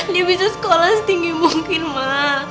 dia bisa sekolah setinggi mungkin mah